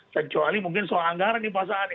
kecuali mungkin soal anggaran di pasangan